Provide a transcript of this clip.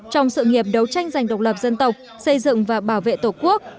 trong sự nghiệp đấu tranh giành độc lập dân tộc xây dựng và bảo vệ tổ quốc